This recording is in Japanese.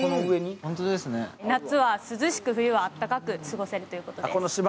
夏は涼しく、冬は暖かく過ごせるということで。